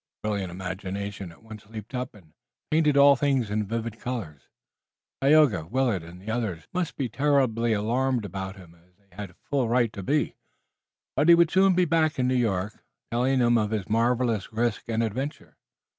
His brilliant imagination at once leaped up and painted all things in vivid colors. Tayoga, Willet and the others must be terribly alarmed about him as they had full right to be, but he would soon be back in New York, telling them of his marvelous risk and adventure.